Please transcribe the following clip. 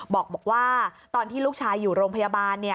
บอกว่าตอนที่ลูกชายอยู่โรงพยาบาล